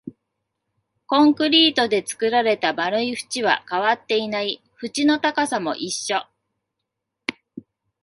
コンクリートで作られた丸い縁は変わっていない、縁の高さも一緒